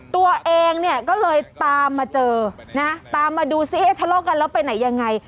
ตัวเองเนี่ยก็เลยตามมาเจอนะตามมาดูซิเอ๊ทะเลาะกันแล้วไปไหนยังไง